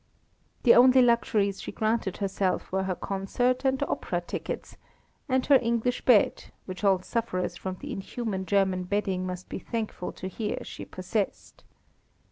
The only luxuries she granted herself were her concert and opera tickets, and her English bed, which all sufferers from the inhuman German bedding must be thankful to hear she possessed.